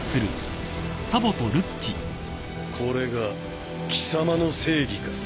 これが貴様の正義か？